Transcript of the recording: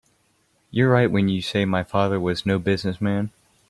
You're right when you say my father was no business man.